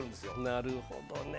なるほどね。